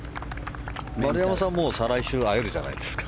丸山さんは再来週会えるじゃないですか。